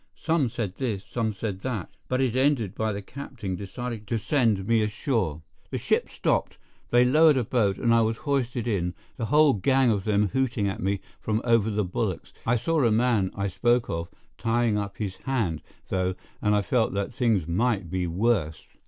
Some said this, some said that; but it ended by the captain deciding to send me ashore. The ship stopped, they lowered a boat, and I was hoisted in, the whole gang of them hooting at me from over the bulwarks, I saw the man I spoke of tying up his hand, though, and I felt that things might be worse.